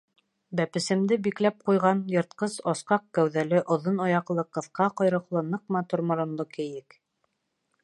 Бәпесемде бикләп ҡуйған йыртҡыс асҡаҡ кәүҙәле, оҙон аяҡлы, ҡыҫҡа ҡойроҡло, ныҡ матур моронло кейек...